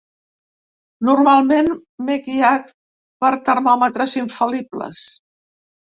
Normalment, m’he guiat per termòmetres infal·libles.